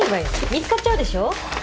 見つかっちゃうでしょ。